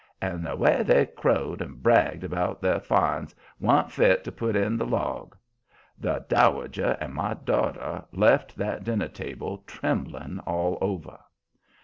And the way they crowed and bragged about their "finds" wa'n't fit to put in the log. The Dowager and "my daughter" left that dinner table trembling all over.